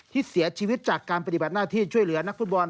ที่เสียชีวิตจากการปฏิบัติหน้าที่ช่วยเหลือนักฟุตบอล